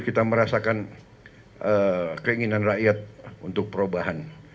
kita merasakan keinginan rakyat untuk perubahan